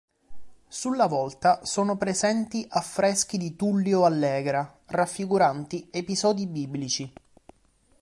Sulla volta sono presenti affreschi di Tullio Allegra raffiguranti episodi biblici.